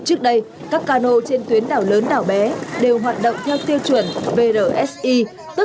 thế nhưng từ năm hai nghìn một mươi tám các cano trên tuyến đảo lớn đảo bé đều hoạt động theo tiêu chuẩn vrsi tức là mùi trần